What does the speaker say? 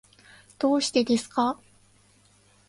どうしてですか。